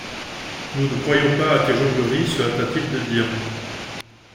Nous ne croyons pas à tes jongleries, se hâta-t-il de dire.